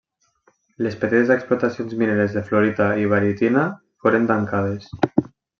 Les petites explotacions mineres de fluorita i baritina foren tancades.